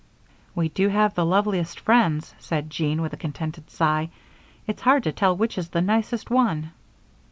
"We do have the loveliest friends," said Jean, with a contented sigh. "It's hard to tell which is the nicest one."